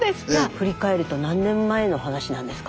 振り返ると何年前の話なんですか？